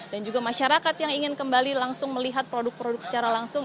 dan juga masyarakat yang ingin kembali langsung melihat produk produk secara langsung